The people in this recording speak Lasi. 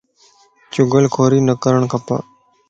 چُگل ڪوري نه ڪرڻ کپ